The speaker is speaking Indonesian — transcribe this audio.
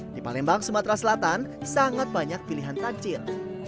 di palembang sumatera selatan sangat banyak pilihan takjil